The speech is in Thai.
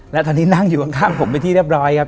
แล้วตอนนี้นั่งอยู่ข้างผมเป็นที่เรียบร้อยครับ